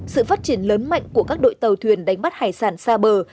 sự phát triển lớn mạnh của các đội tàu thuyền đánh bắt hải sản xa bờ